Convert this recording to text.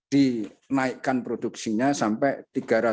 dinaikkan produksinya sampai